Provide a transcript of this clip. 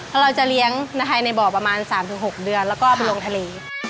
แล้วเราจะเลี้ยงภายในบ่อประมาณ๓๖เดือนแล้วก็ไปลงทะเล